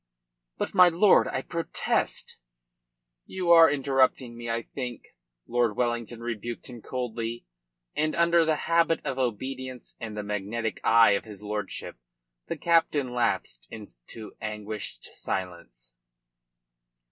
"But, my lord, I protest " "You are interrupting me, I think," Lord Wellington rebuked him coldly, and under the habit of obedience and the magnetic eye of his lordship the captain lapsed into anguished silence.